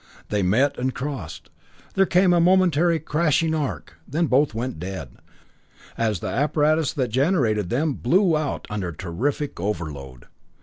They met and crossed. There came a momentary crashing arc, then both went dead, as the apparatus that generated them blew out under terrific overload.